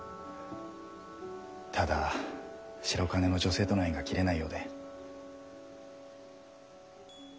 ただ白金の女性との縁が切れないようで。